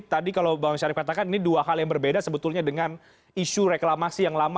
tadi kalau bang syarif katakan ini dua hal yang berbeda sebetulnya dengan isu reklamasi yang lama